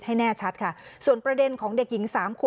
มันกรี๊ดอยู่ในหัวตัว